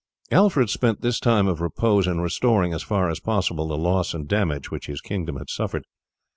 Alfred spent this time of repose in restoring as far as possible the loss and damage which his kingdom had suffered.